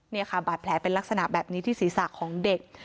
นี่ค่ะบาดแผลเป็นลักษณะแบบนี้ที่ศีรษะของเด็ก